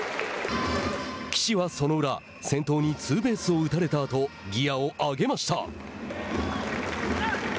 岸はその裏先頭にツーベースを打たれたあとギアを上げました。